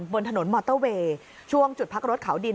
บนถนนมอเตอร์เวย์ช่วงจุดพักรถเขาดิน